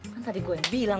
kan tadi gua yang bilang